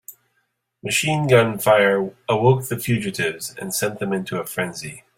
Machine gun fire awoke the fugitives and sent them into a frenzy.